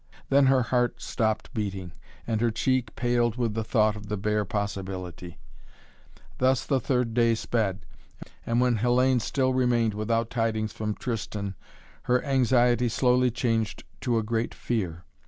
Then her heart stopped beating, and her cheek paled with the thought of the bare possibility. Thus the third day sped, and when Hellayne still remained without tidings from Tristan her anxiety slowly changed to a great fear.